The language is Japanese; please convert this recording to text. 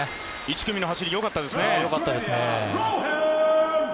１組の走り、よかったですね。